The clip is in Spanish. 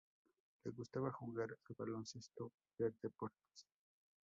Le gustaba jugar al baloncesto y ver deportes.